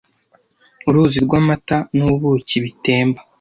uruzi rw'amata n'ubuki bitemba